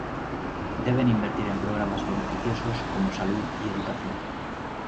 Deben invertir en programas beneficiosos como salud y educación.